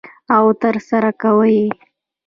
او ترسره کوي یې.